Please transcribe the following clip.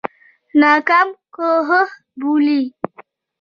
ناکام کوښښ بولي.